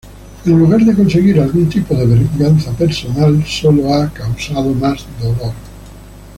En lugar de conseguir algún tipo de venganza personal, solo ha causado más dolor.